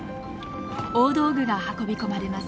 大道具が運び込まれます。